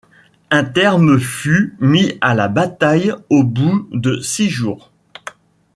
Un terme fut mis à la bataille au bout de six jours.